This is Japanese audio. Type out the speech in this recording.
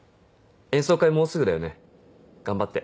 演奏会もうすぐだよね頑張って。